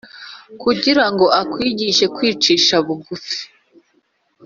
kugira ngo akwigishe kwicisha bugufi